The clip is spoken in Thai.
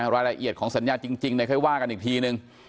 รายละเอียดของสัญญาจริงค่อยว่ากันอีกทีนึง